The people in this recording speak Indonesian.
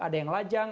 ada yang lajang